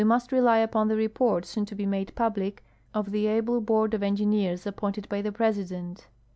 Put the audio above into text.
st rely u))on the report, soon to be made public, of the able board of engineers appointed by the Presidcmt.